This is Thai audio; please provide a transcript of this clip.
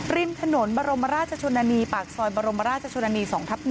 ริมถนนบรมราชชนนานีปากซอยบรมราชชนนานี๒ทับ๑